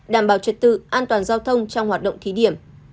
đảm bảo trật tự an toàn giao thông trong hoạt động thí điểm